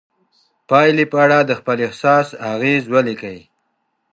د پایلې په اړه د خپل احساس اغیز ولیکئ.